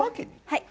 はい。